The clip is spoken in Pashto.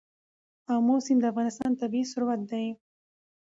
آمو سیند د افغانستان طبعي ثروت دی.